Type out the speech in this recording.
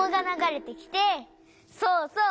そうそう！